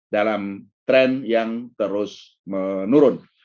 dalam tren yang terus menurun